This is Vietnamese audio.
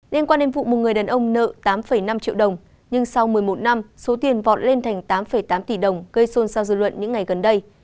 liên quan đến vụ một người đàn ông nợ tám năm triệu đồng nhưng sau một mươi một năm số tiền vọt lên thành tám tám tỷ đồng gây xôn xao dư luận những ngày gần đây